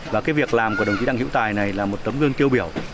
và việc làm của đồng chí đăng hữu tài này là một tấm gương tiêu biểu